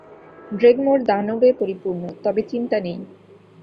ড্রেগমোর দানবে পরিপূর্ণ, তবে চিন্তা নেই।